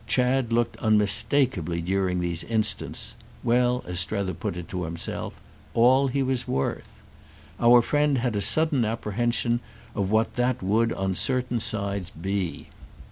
Chad looked unmistakeably during these instants—well, as Strether put it to himself, all he was worth. Our friend had a sudden apprehension of what that would on certain sides be.